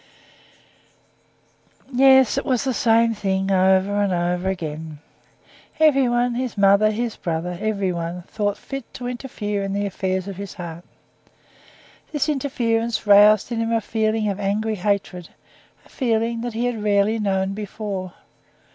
Yes, it was the same thing over and over again. Everyone, his mother, his brother, everyone thought fit to interfere in the affairs of his heart. This interference aroused in him a feeling of angry hatred—a feeling he had rarely known before.